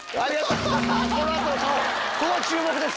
ここ注目です！